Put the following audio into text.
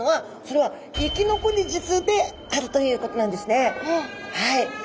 はい。